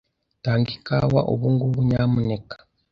Tanga ikawa ubungubu, nyamuneka.